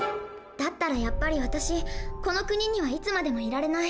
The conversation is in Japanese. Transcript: だったらやっぱり私この国にはいつまでもいられない。